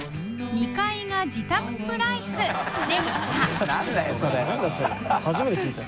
２階が自宅プライス